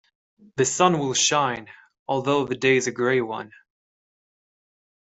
The sun will shine, although the day's a grey one.